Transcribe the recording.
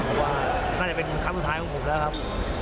ผมว่าน่าจะเป็นครั้งสุดท้ายของผมแล้วครับ